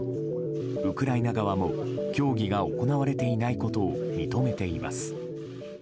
ウクライナ側も協議が行われていないことを認めています。